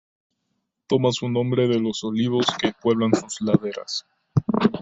Toma su nombre de los olivos que pueblan sus laderas.